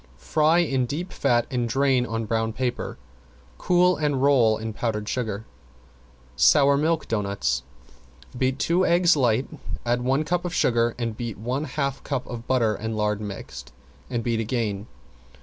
Fry in deep fat and drain on brown paper. Cool and roll in powdered sugar. ~SOUR MILK DOUGHNUTS~ Beat two eggs light, add one cup of sugar and beat, one half cup of butter and lard mixed, and beat again.